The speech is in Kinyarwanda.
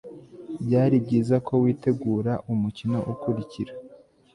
byari byiza ko witegura umukino ukurikira